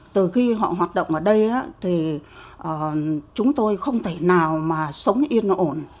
từ khi họ hoạt động ở đây thì chúng tôi không thể nào mà sống yên ổn